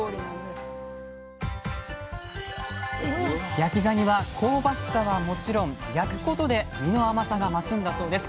焼きがには香ばしさはもちろん焼くことで身の甘さが増すんだそうです。